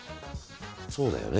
そうだよね。